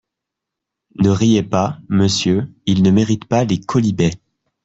Ne riez pas, monsieur, ils ne méritent pas les quolibets.